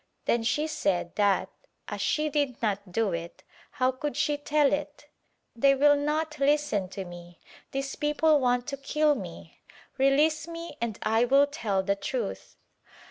Then she said that, as she did not do it, how could she tell it — "They will not listen to me — these people want to kill me — release me and I will tell the truth."